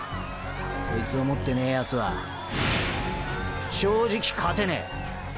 そいつを持ってねェヤツは――正直勝てねェ！！